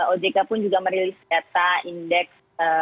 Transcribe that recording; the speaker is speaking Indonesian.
ojk pun juga merilis data indeks